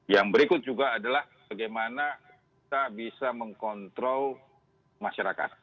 yang berikut juga adalah bagaimana kita bisa mengkontrol masyarakat